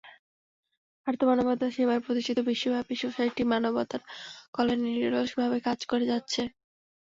আর্ত মানবতার সেবায় প্রতিষ্ঠিত বিশ্বব্যাপী সোসাইটি মানবতার কল্যাণে নিরলসভাবে কাজ করে যাচ্ছে।